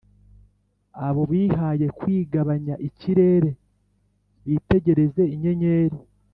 abo bihaye kwigabanya ikirere, bitegereza inyenyeri,